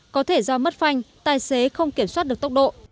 có thể do mất phanh tài xế không kiểm soát được tốc độ